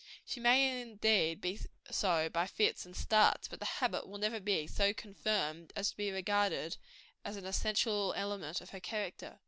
She may, indeed, be so by fits and starts; but the habit will never be so confirmed as to be regarded as an essential element of her character.